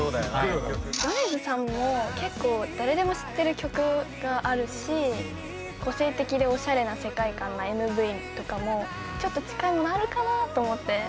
米津さんも結構誰でも知ってる曲があるし個性的でおしゃれな世界観なＭＶとかもちょっと近いものあるかなと思って。